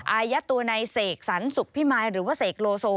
อายัดตัวในเสกสรรสุขพิมายหรือว่าเสกโลโซ